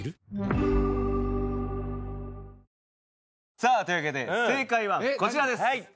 さあというわけで正解はこちらです。